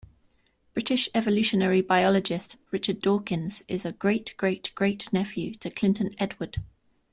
British evolutionary biologist Richard Dawkins is a great-great-great-nephew to Clinton Edward.